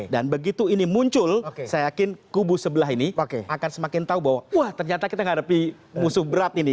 dan begitu ini muncul saya yakin kubu sebelah ini akan semakin tahu bahwa ternyata kita menghadapi musuh berat ini